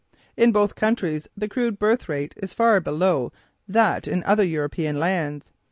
In both countries the crude birth rate is far below that in other European lands.